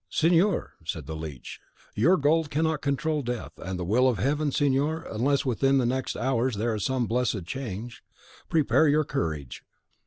"Signor," said the leech; "your gold cannot control death, and the will of Heaven, signor, unless within the next hour there is some blessed change, prepare your courage."